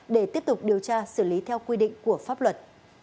để tiếp tục điều tra xử lý theo quy định của pháp luật